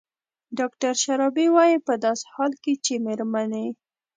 ډاکتر شرابي وايي په داسې حال کې چې مېرمنې